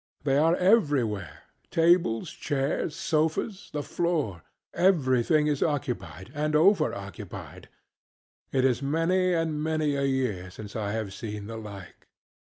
They are everywhere; tables, chairs, sofas, the floorŌĆöeverything is occupied, and over occupied. It is many and many a year since I have seen the like.